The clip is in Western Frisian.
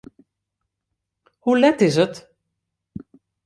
Hoe let is it?